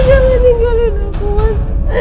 jangan tinggalin aku mas